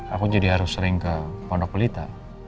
aku jadi harus sering ke pondok pelita